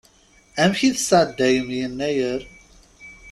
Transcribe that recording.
Amek i tesɛeddayem Yennayer?